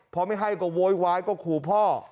พอไม่ให้ก็โวยวายก็ขู่พ่อ